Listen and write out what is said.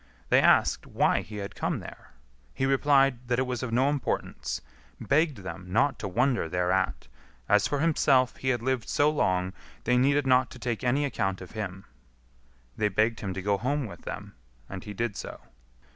They asked why he had come there. He replied that it was of no importance; begged them not to wonder thereat; as for himself, he had lived so long, they needed not to take any account of him. They begged him to go home with them, and he did so.